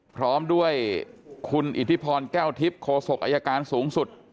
พร้อมด้วยคุณอิทธิพรแก้วทิพย์โคศกอายการสูงสุด